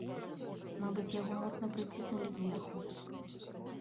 Мабыць, яго моцна прыціснулі зверху.